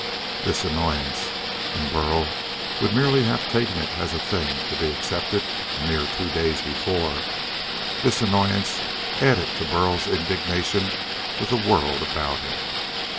This annoyance and Burl would merely have taken it as a thing to be accepted a mere two days before this annoyance added to Burl's indignation with the world about him.